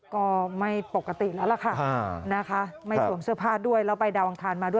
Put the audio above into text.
ก็ไม่ปกติแล้วล่ะค่ะนะคะไม่สวมเสื้อผ้าด้วยแล้วไปดาวอังคารมาด้วย